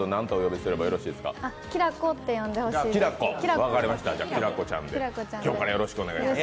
きらこって呼んでほしいです。